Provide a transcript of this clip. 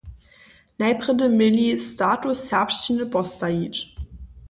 Najprjedy měli status serbšćiny postajić.